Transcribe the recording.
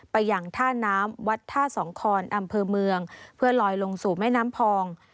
ไปอย่างท่าน้ำวัดท่าสองคอนอำเภอเมืองเพื่อลอยลงสู่แม่น้ำพอง